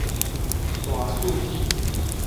大四肢